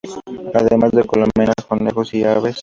Además de colmenas, conejos y aves.